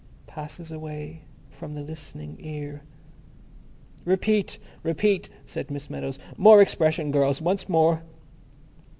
Passes away from the Listening Ear. "Repeat! Repeat!" said Miss Meadows. "More expression, girls! Once more!"